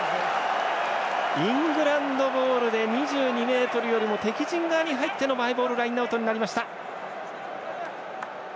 イングランドボールで２２ｍよりも敵陣側に入ってのマイボールラインアウトになりました。